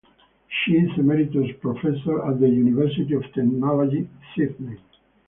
She is Emeritus Professor at the University of Technology Sydney.